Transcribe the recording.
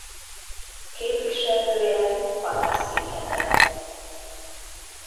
Képviselője Kalászi Ede.